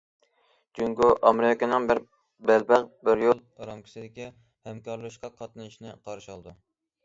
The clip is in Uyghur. جۇڭگو ئامېرىكىنىڭ« بىر بەلباغ، بىر يول» رامكىسىدىكى ھەمكارلىشىشقا قاتنىشىشىنى قارشى ئالىدۇ.